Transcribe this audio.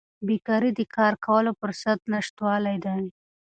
بیکاري د کار کولو فرصت نشتوالی دی.